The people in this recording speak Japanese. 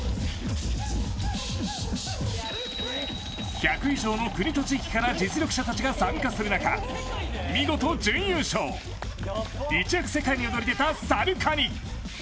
１００以上の国と地域から実力者が参加する中、見事準優勝、一躍世界に躍り出たＳＡＲＵＫＡＮＩ。